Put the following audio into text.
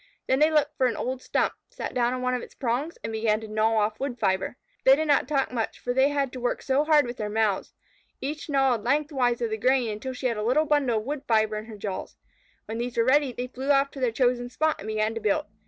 Then they looked for an old stump, sat down on one of its prongs, and began to gnaw off wood fibre. They did not talk much, for they had to work so hard with their mouths. Each gnawed length wise of the grain until she had a little bundle of wood fibre in her jaws. When these were ready, they flew off to their chosen spot and began to build.